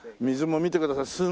水も見てください。